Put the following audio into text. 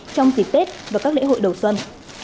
trong dịp tết và các lễ hội đầu xuân